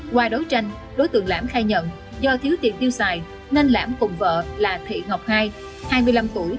qua đấu tranh đối tượng lãm khai nhận do thiếu tiền tiêu xài nên lãm cùng vợ là thị ngọc hai hai mươi năm tuổi